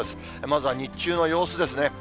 まずは日中の様子ですね。